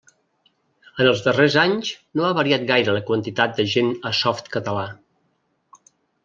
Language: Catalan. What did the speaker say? En els darrers anys no ha variat gaire la quantitat de gent a Softcatalà.